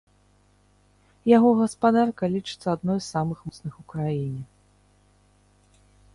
Яго гаспадарка лічыцца адной з самых моцных у краіне.